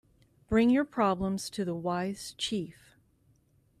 Bring your problems to the wise chief.